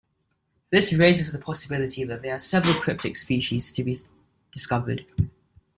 This raises the possibility that there are several cryptic species to be discovered.